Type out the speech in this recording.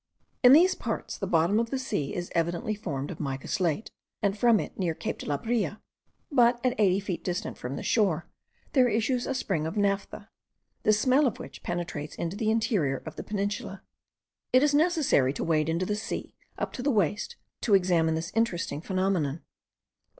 In these parts the bottom of the sea is evidently formed of mica slate, and from it near Cape de la Brea, but at eighty feet distant from the shore, there issues a spring of naphtha, the smell of which penetrates into the interior of the peninsula. It is necessary to wade into the sea up to the waist, to examine this interesting phenomenon.